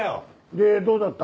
でどうだった？